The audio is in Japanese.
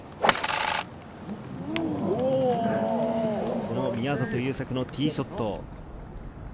その宮里優作のティーショット。